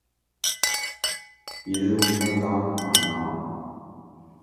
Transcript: இது உண்மைதான் அண்ணா!